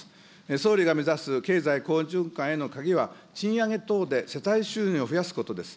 総理が目指す経済好循環への鍵は、賃上げ等で世帯収入を増やすことです。